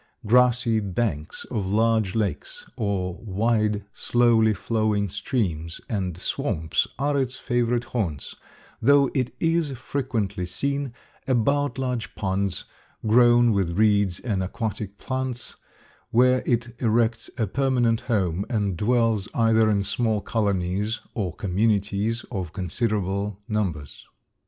Grassy banks of large lakes or wide, slowly flowing streams and swamps are its favorite haunts, though it is frequently seen about large ponds, grown with reeds and aquatic plants, where it erects a permanent home and dwells either in small colonies or communities of considerable numbers.